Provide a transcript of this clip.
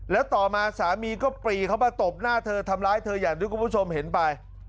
แล้วต่อมาสามีก็ปรีเข้ามาตบหน้าเธอทำร้ายเธออย่างที่คุณผู้ชมเห็นไป